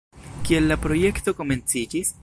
Kiel la projekto komenciĝis?